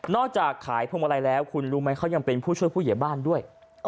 จากขายพวงมาลัยแล้วคุณรู้ไหมเขายังเป็นผู้ช่วยผู้ใหญ่บ้านด้วย